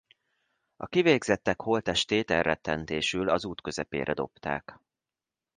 A kivégzettek holttestét elrettentésül az út közepére dobták.